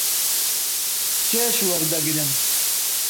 چێژ وەردەگرم.